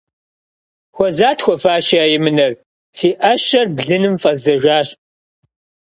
Хуэзат хуэфащи а емынэр, си Ӏэщэр блыным фӀэздзэжащ.